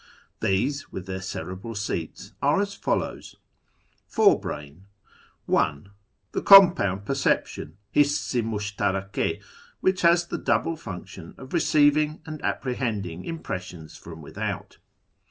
These, with their cerebral seats, are as follows :—' 1. The compoimd perception (Hiss i mushtarike), which has the double function of receiving and apprehending impressions from without.